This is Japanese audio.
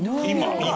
今？